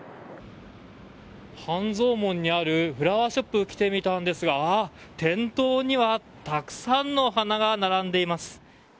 半蔵門にあるフラワーショップに来てみたんですが店頭にはたくさんの花が並んでいます。